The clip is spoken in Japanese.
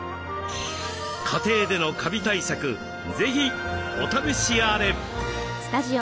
家庭でのカビ対策是非お試しあれ。